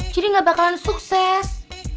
jadi nggak bakalan sukses